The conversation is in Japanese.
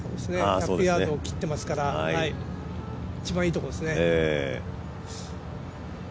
１００ヤードを切っていますから一番いいところですね。